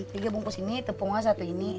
tiga bungkus ini tepungnya satu ini